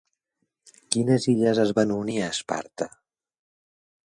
Quines illes es van unir a Esparta?